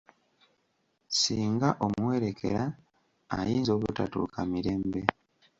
Singa omuwerekera ayinza obutatuuka mirembe